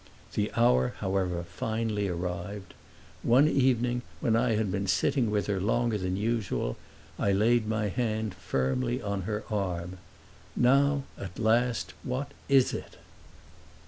The hour however finally arrived. One evening when I had been sitting with her longer than usual I laid my hand firmly on her arm. "Now at last what is it?"